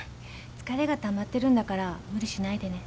疲れがたまってるんだから無理しないでね。